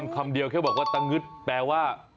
คำเดียวแค่บอกว่าตะงึดแปลว่า